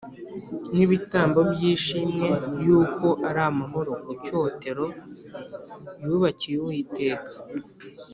n’ibitambo by’ishimwe yuko ari amahoro ku cyotero yubakiye Uwiteka